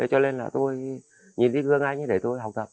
cho nên là tôi nhìn dưới gương anh ấy để tôi học tập